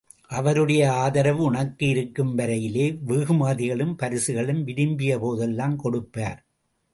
அவருடைய ஆதரவு உனக்கு இருக்கும்வரையிலே, வெகுமதிகளும் பரிசுகளும் விரும்பியபோதெல்லாம் கொடுப்பார்.